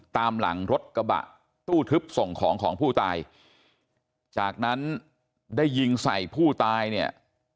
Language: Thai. ตามหลังรถกระบะตู้ทึบส่งของของผู้ตายจากนั้นได้ยิงใส่ผู้ตายเนี่ย